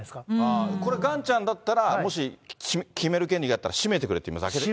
これ、岩ちゃんだったら、もし決める権利があったら閉めてくれって言います？